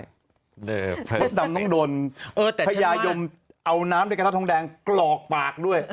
สวรรค์ออกนะมัดดำต้องโดนพญายมเอาน้ำในกระท๊าทองแดงกรอกปากด้วย